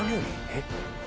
えっ？